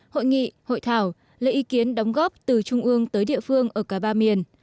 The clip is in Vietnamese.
hội nghị hội thảo lấy ý kiến đóng góp từ trung ương tới địa phương ở cả ba miền